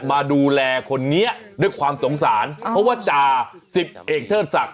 มาดูแลคนนี้ด้วยความสงสารเพราะว่าจ่าสิบเอกเทิดศักดิ